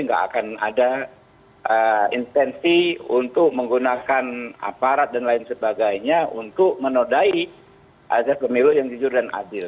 nggak akan ada instensi untuk menggunakan aparat dan lain sebagainya untuk menodai azab pemilu yang jujur dan adil